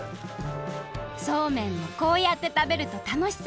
そうめんもこうやってたべるとたのしさ